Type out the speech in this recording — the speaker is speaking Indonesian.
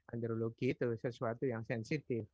andrologi itu sesuatu yang sensitif